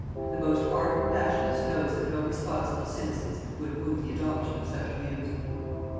The most ardent "Nationalist" knows that no responsible citizens would move the adoption of such views.